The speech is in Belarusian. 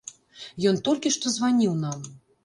Ён толькі што званіў нам!